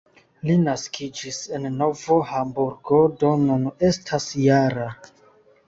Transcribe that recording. Li naskiĝis en Novo Hamburgo, do nun estas -jara.